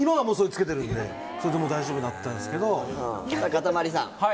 かたまりさん。